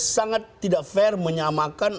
sangat tidak fair menyamakan